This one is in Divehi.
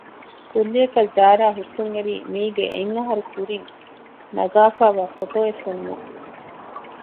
ކުއްލިއަކަށް ޒާރާ ހުއްޓުން އެރީ މީގެ އެއްހަރު ކުރިން ނަގާފައިވާ ފޮޓޯއެއް ފެނުމުން